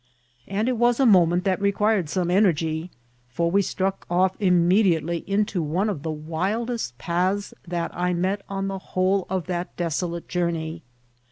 And it was a moment that re quired some energy ; for we struck off immediately into one of the wildest paths that I met on the whole of that desolate journey.